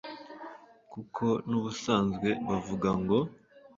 kuko n'ubusanzwe bavuga ngo